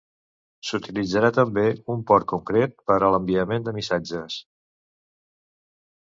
S'utilitzarà també un port concret per a l'enviament de missatges.